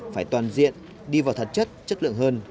phải toàn diện đi vào thực chất chất lượng hơn